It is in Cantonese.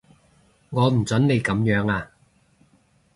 我唔準你噉樣啊